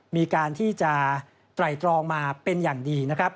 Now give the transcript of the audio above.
มีการที่จะไตรตรองมาเป็นอย่างดีนะครับ